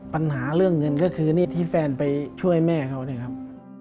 ปัญหาเรื่องเงินก็คือนี่ที่แฟนไปช่วยแม่เขาเนี่ยครับ